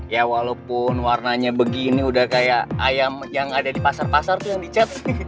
ya walaupun warnanya begini udah kayak ayam yang ada di pasar pasar tuh yang dicet